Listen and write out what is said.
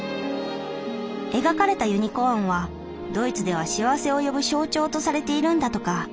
描かれたユニコーンはドイツでは幸せを呼ぶ象徴とされているんだとか。